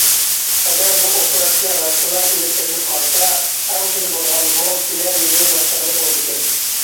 ئەگەر بۇ ئوپېراتسىيە راستلا ئېلىپ بېرىلىپ قالسا ئەڭ تېز بولغاندىمۇ كېلەر يىلى باشلىغىلى بولىدىكەن.